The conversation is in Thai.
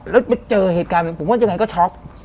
แล้วไปเจอเหตุการณ์ผมว่าจะยังไงก็ช็อค